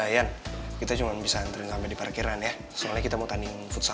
yan kita cuma bisa antri sampai di parkiran ya soalnya kita mau tanding futsal